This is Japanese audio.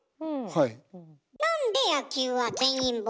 はい。